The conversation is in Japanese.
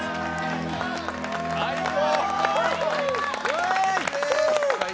最高！